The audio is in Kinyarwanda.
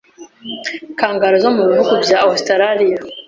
kangaroo zo mu bihugu bya Australia,